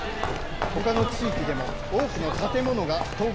ほかの地域でも多くの建物が倒壊しています。